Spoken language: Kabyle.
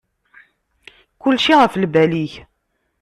Kulci ɣef lbal-ik.